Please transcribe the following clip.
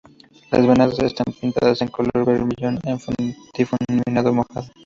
Las venas están pintadas en color bermellón en el difuminado mojado.